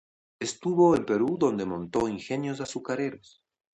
Estuvo en Perú donde montó ingenios azucareros.